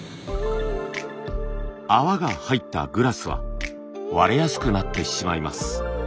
泡が入ったグラスは割れやすくなってしまいます。